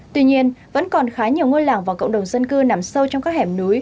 tuy nhiên vẫn còn khá nhiều ngôi làng và cộng đồng dân cư nằm sâu trong các hẻm núi